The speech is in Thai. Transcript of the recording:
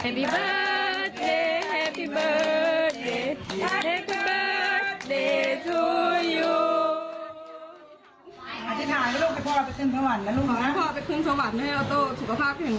ให้พ่อไปเครื่องสวรรค์ให้เอาโต้สุขภาพแข็งแรงนะลูก